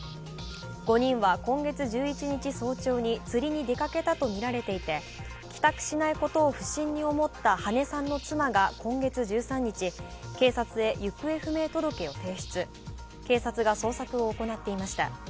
５人は今月１１日早朝に釣りに出かけたとみられていて帰宅しないことを不審に思った羽根さんの妻が今月１３日、警察へ行方不明届を提出、警察が捜索を行っていました。